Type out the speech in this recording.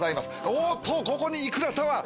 おっとここにいくらタワー！